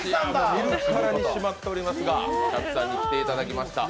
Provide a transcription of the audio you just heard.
見るからに締まっておりますが、ちゃぴさんに来ていただきました。